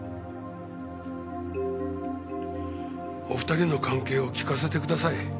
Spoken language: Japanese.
お２人の関係を聞かせてください。